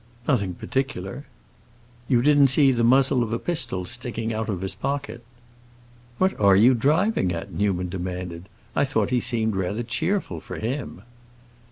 "Nothing particular." "You didn't see the muzzle of a pistol sticking out of his pocket?" "What are you driving at?" Newman demanded. "I thought he seemed rather cheerful for him."